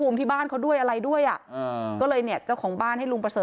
ไม่เรียกออมบ้านเหรอ